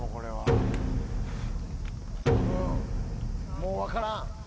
もう分からん。